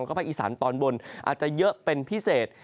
ก็ภาคอีสานตอนบนอาจจะเยอะเป็นพิเศษ